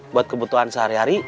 buat kebutuhan sehari hari